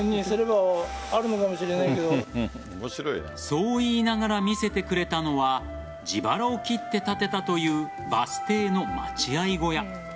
そう言いながら見せてくれたのは自腹を切って建てたというバス停の待合小屋。